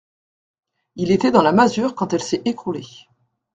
Il était dans la masure quand elle s'est écroulée.